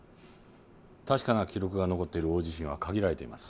確かな記録が残っている大地震は限られています。